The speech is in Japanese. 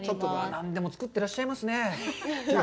何でもつくってらっしゃいますね。